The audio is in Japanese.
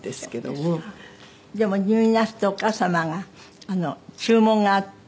「でも入院なすってお母様が注文があって」